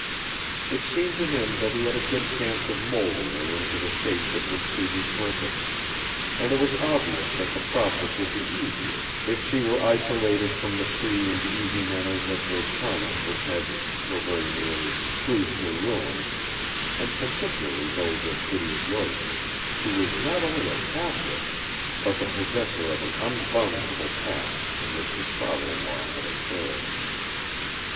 It seemed to him that he had a good chance of moulding her into the shape that would suit his purpose, and it was obvious that the process would be easier if she were isolated from the free and easy manners of Roscarna which had so very nearly proved her ruin, and particularly those of Biddy Joyce, who was not only a Catholic, but the possessor of an unvarnishable past in which his father in law had a share.